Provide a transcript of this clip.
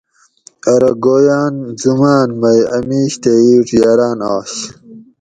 ارو گویاۤن زماۤن مئ اۤ میش تے اِیڄ یاراۤن آش